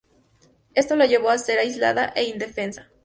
Esto la llevó a ser aislada e indefensa.